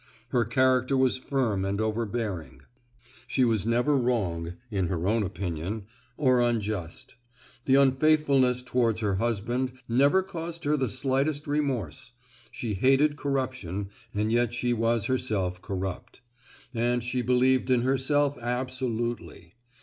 Her character was firm and overbearing. She was never wrong (in her own opinion) or unjust. The unfaithfulness towards her husband never caused her the slightest remorse; she hated corruption, and yet she was herself corrupt; and she believed in herself absolutely.